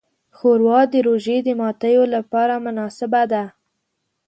ښوروا د روژې د ماتیو لپاره مناسبه ده.